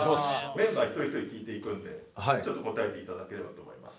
メンバー一人ひとり聞いていくんでちょっと答えていただければと思います。